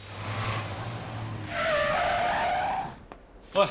おい！